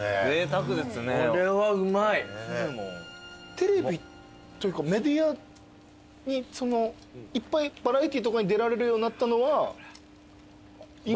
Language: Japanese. テレビというかメディアにいっぱいバラエティーとかに出られるようになったのは引退されてからですか？